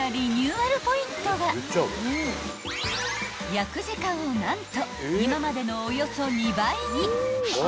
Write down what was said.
［焼く時間を何と今までのおよそ２倍に］